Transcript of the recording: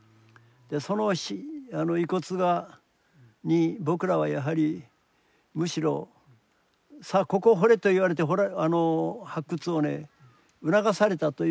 その遺骨に僕らはやはりむしろ「さあここを掘れ」と言われて発掘をね促されたというか。